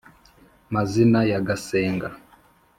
mazina ya gasenga